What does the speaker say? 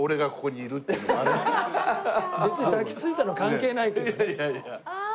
別に抱きついたの関係ないけどね。